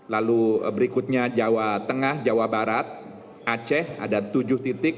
lalu berikutnya jawa tengah jawa barat aceh ada tujuh titik